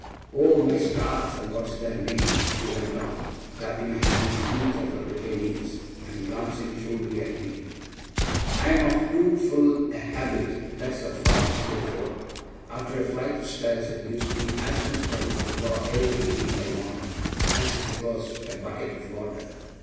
'Oh my stars and what's their names!' she went on, clapping a hand on each of her little knees, and glancing shrewdly at me, 'I'm of too full a habit, that's the fact, Steerforth. After a flight of stairs, it gives me as much trouble to draw every breath I want, as if it was a bucket of water.